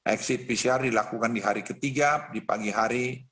exit pcr dilakukan di hari ketiga di pagi hari